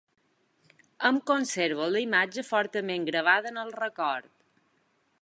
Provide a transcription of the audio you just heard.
En conservo la imatge fortament gravada en el record.